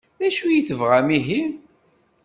D acu ay tebɣam ihi?